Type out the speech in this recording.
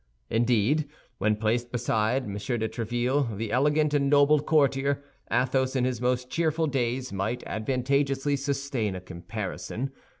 Indeed, when placed beside M. de Tréville, the elegant and noble courtier, Athos in his most cheerful days might advantageously sustain a comparison.